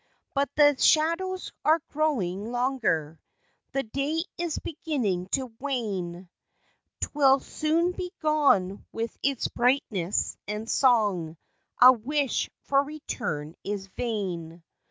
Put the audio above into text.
But the shadows are growing longer, The day is beginning to wane, 'Twill soon be gone with its brightness and song, A wish for return is vain.